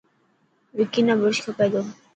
وڪي نا برش کپي تو.